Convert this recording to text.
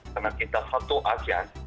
karena kita satu asian